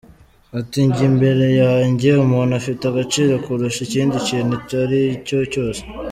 Ati: “ Njye imbere yanjye umuntu afite agaciro kurusha ikindi kintu icyari cyo cyose.